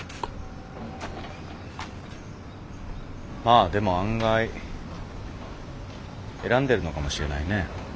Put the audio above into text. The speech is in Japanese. まあでも案外選んでるのかもしれないね。